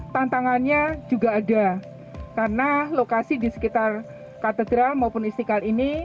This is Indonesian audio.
tantangannya juga ada karena lokasi di sekitar katedral maupun istiqlal ini